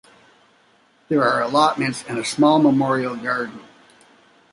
There are allotments, and a small memorial garden.